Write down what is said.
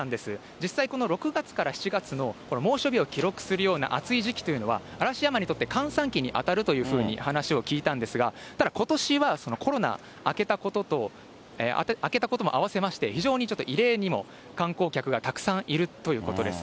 実際、この６月から７月の猛暑日を記録するような暑い時期というのは、嵐山にとって閑散期に当たるというふうに話を聞いたんですが、ただことしは、コロナ明けたことも併せまして、異例にも観光客がたくさんいるということです。